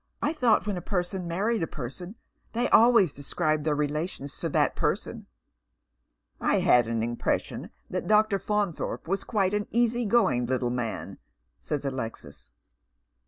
I thought when a person married a person they always described their relations to that person." " I had an impression that Dr. Faunthorpe was quite an easy going little man," says Alexis.